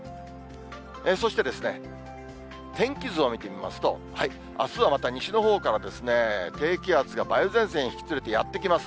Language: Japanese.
そして、天気図を見てみますと、あすはまた西のほうから低気圧が梅雨前線を引き連れて、やって来ます。